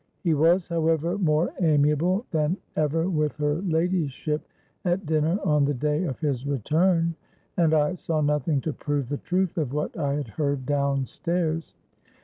He was, however, more amiable than ever with her ladyship at dinner on the day of his return; and I saw nothing to prove the truth of what I had heard down stairs.